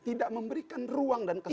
tidak memberikan ruang dan kesempatan